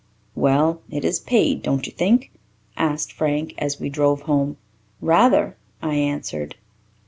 "Well, it has paid, don't you think?" asked Frank, as we drove home. "Rather," I answered.